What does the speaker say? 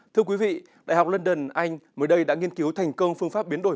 thưa quý vị đại học london anh mới đây đã nghiên cứu thành công phương pháp biến đổi